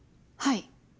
はい。